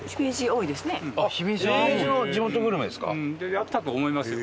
やったと思いますよ。